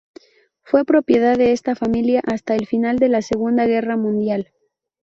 Fue propiedad de esta familia hasta el final de la Segunda Guerra Mundial.